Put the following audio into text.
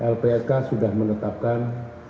lpsk sudah menetapkan